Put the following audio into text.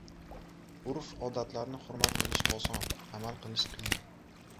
• Urf-odatlarni hurmat qilish oson, amal qilish qiyin.